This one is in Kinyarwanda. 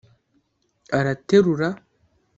" Araterura